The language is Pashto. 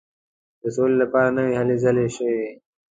د سولي لپاره نورې هلې ځلې شوې.